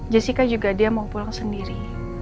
jessica juga dia mau pulang sendiri